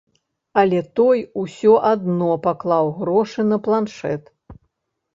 Але той усё адно паклаў грошы на планшэт.